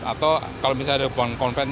atau kalau misalnya ada konvensi